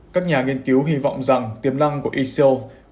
các nhà nghiên cứu hy vọng rằng tiềm năng của y cell